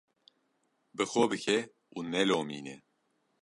Bi xwe bike û nelomîne.